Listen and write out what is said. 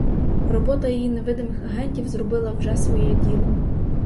Робота її невидимих агентів зробила вже своє діло.